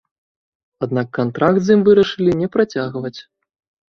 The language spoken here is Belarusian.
Аднак кантракт з ім вырашылі не працягваць.